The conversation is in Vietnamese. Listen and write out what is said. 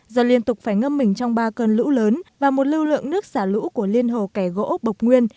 do liên tục phải ngâm mình trong ba cơn lũ lớn và một lưu lượng nước xả lũ của liên hồ kẻ gỗ bộc nguyên